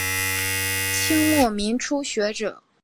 清末民初学者。